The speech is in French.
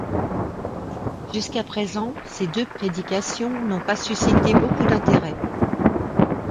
Jusqu'à présent, ces deux prédications n'ont pas suscité beaucoup d’intérêt.